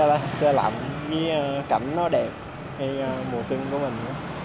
nó sẽ làm cái cảnh nó đẹp hay mùa xuân của mình